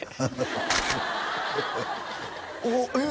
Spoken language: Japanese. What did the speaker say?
おっえっ？